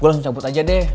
gue langsung cabut aja deh